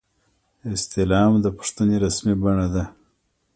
استعلام د پوښتنې رسمي بڼه ده